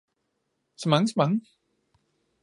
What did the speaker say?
Så mange, så mange!